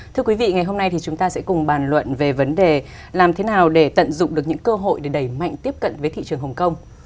thưa quý vị ngày hôm nay thì chúng ta sẽ cùng bàn luận về vấn đề làm thế nào để tận dụng được những cơ hội để đẩy mạnh tiếp cận với thị trường hồng kông